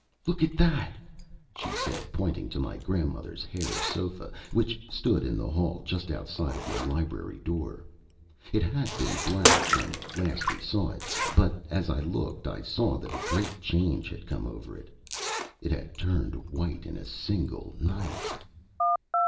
"Look at that!" she said, pointing to my grandmother's hair sofa, which stood in the hall just outside of my library door. It had been black when we last saw it, but as I looked I saw that a great change had come over it. _It had turned white in a single night!